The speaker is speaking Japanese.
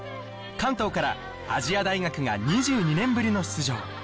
関東から亜細亜大学が２２年ぶりの出場